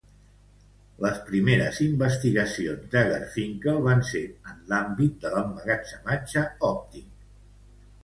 Les primeres investigacions de Garfinkel van ser en l'àmbit de l'emmagatzematge òptic.